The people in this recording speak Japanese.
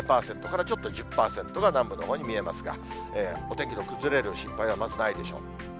０％からちょっと１０％が南部のほうに見えますが、お天気の崩れる心配はまずないでしょう。